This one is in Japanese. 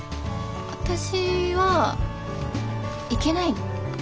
私は行けないの。